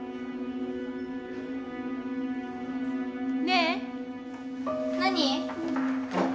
ねえ？何？